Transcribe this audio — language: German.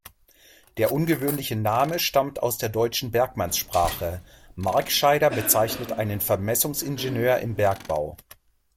Der ungewöhnliche Name stammt aus der deutschen Bergmannssprache: „Markscheider“ bezeichnet einen Vermessungsingenieur im Bergbau.